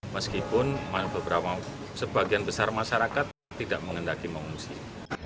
meskipun sebagian besar masyarakat tidak mengendaki mengungsi